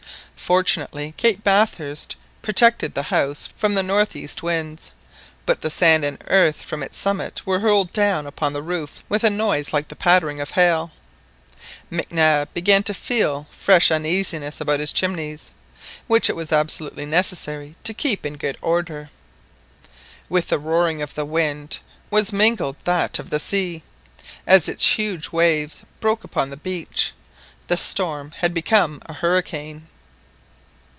Fortunately, Cape Bathurst protected the house from the north east winds, but the sand and earth from its summit were hurled down upon the roof with a noise like the pattering of hail. Mac Nab began to feel fresh uneasiness about his chimneys, which it was absolutely necessary to keep in good order. With the roaring of the wind was mingled that of the sea, as its huge waves broke upon the beach. The storm had become a hurricane.